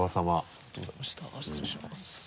ありがとうございました失礼します。